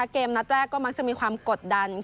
เกมนัดแรกก็มักจะมีความกดดัน